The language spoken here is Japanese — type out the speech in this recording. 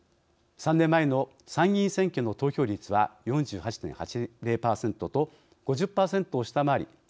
３年前の参議院選挙の投票率は４８．８０％と５０％を下回り